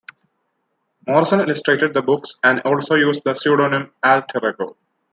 Morrison illustrated the books and also used the pseudonym Al Terego.